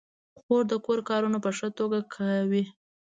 خور د کور کارونه په ښه توګه کوي.